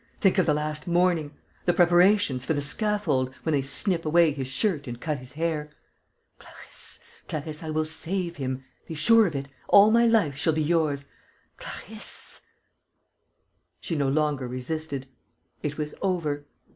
Think of the last morning: the preparations for the scaffold, when they snip away his shirt and cut his hair.... Clarisse, Clarisse, I will save him.... Be sure of it.... All my life shall be yours.... Clarisse...." She no longer resisted. It was over.